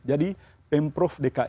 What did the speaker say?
jadi pemprov deklarasikan